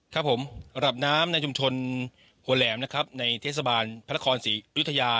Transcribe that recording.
ครับผมระดับน้ำในชุมชนหัวแหลมนะครับในเทศบาลพระนครศรีอยุธยา